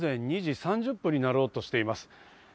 午前２時３０分になろうとしています。